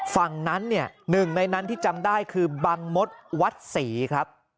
ฝั่งนั้นเนี่ยหนึ่งในนั้นที่จำได้คือบังมดวัดศรีครับ